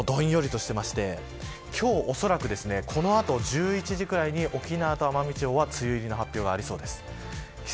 どんよりとしていまして今日、おそらくこの後１１時くらいに沖縄と奄美地方は梅雨入りの発表がありそうです。